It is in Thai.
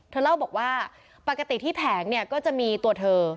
เธอเล่าบอกว่าปกติที่แผงเนี่ยก็จะมีตัวเธอ